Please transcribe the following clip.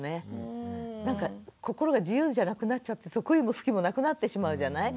なんか心が自由じゃなくなっちゃって得意も好きもなくなってしまうじゃない。